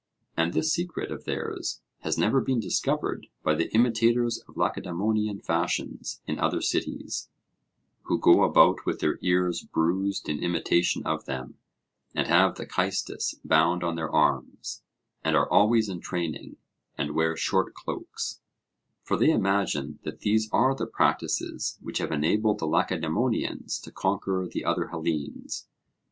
And this secret of theirs has never been discovered by the imitators of Lacedaemonian fashions in other cities, who go about with their ears bruised in imitation of them, and have the caestus bound on their arms, and are always in training, and wear short cloaks; for they imagine that these are the practices which have enabled the Lacedaemonians to conquer the other Hellenes.